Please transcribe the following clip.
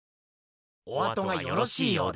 おあとがよろしいようで。